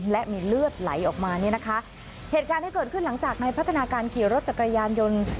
และมีเลือดไหลออกมาเนี่ยนะคะเหตุการณ์ที่เกิดขึ้นหลังจากในพัฒนาการขี่รถจักรยานยนต์